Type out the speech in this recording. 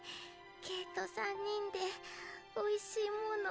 ケイと３人でおいしいもの